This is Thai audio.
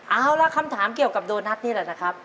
เอาละคำถามเกี่ยวกับโดนัทนี่แหละนะครับ